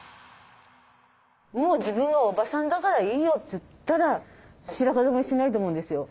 「もう自分はおばさんだからいいよ」って言ったら白髪染めしないと思うんですよ。